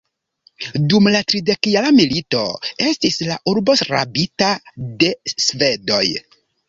Dum la tridekjara milito estis la urbo rabita de svedoj.